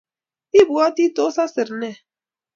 Ibwotii tos asiir ne?